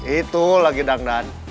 itu lagi dangdang